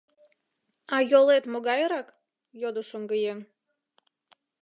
— А йолет могайрак? — йодо шоҥгыеҥ.